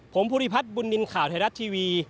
ผมภูริพัฒน์บุญนินทร์ข่าวไทยรัฐทีวี